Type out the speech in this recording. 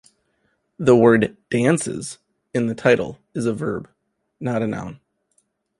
The word "Dances" in the title is a verb, not a noun.